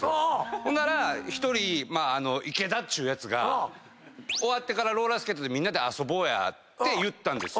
ほんなら１人イケダっちゅうやつが終わってからローラースケートでみんなで遊ぼうって言ったんです。